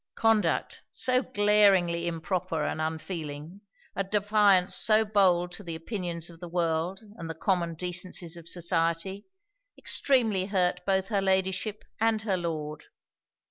Conduct, so glaringly improper and unfeeling, a defiance so bold to the opinions of the world and the common decencies of society, extremely hurt both her Ladyship and her Lord.